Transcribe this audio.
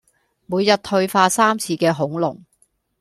每日退化三次嘅恐龍